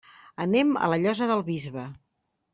Anem a la Llosa del Bisbe.